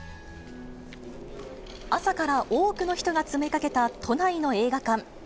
朝から多くの人が詰めかけた都内の映画館。